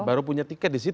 baru punya tiket di situ